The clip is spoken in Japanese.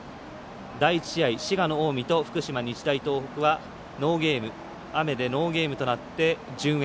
第１試合、滋賀の近江と福島、日大東北は雨でノーゲームとなって順延。